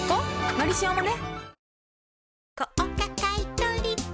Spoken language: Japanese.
「のりしお」もね